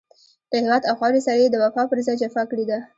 له هېواد او خاورې سره يې د وفا پر ځای جفا کړې ده.